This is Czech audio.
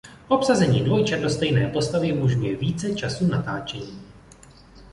Obsazení dvojčat do stejné postavy umožňuje více času natáčení.